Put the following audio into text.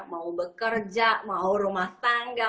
mau bekerja mau rumah tangga